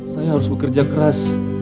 saya harus bekerja keras